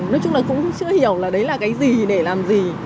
nói chung là cũng chưa hiểu là đấy là cái gì để làm gì